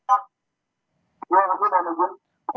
ya saya sudah menuju